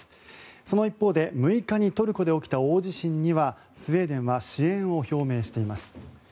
その一方で６日にトルコで起きた大地震にはスウェーデンは支援を表明しています。